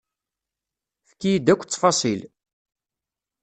Efk-iyi-d akk ttfaṣil.